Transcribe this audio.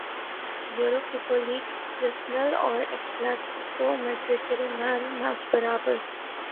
Europa football league Arsenal اور Atletico Madrid کے درمیان میچ برابر